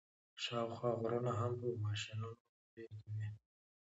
شاوخوا غرونه هم په ماشینونو پرې کوي.